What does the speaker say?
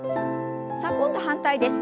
さあ今度反対です。